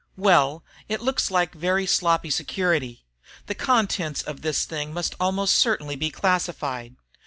"Well it looks like very sloppy security. The contents of this thing must almost certainly be classified.